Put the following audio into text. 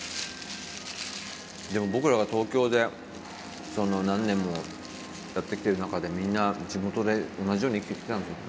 でも僕らが東京で何年もやってきてる中でみんな地元で同じように生きてきてたんですよね。